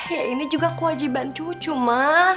ya ini juga kewajiban cucu mah